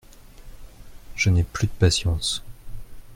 Je n’ai plus de patience.